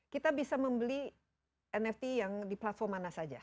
kita bisa membeli nft yang di platform mana saja